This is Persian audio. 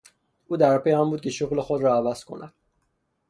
او در پی آن بود که شغل خود را عوض کند.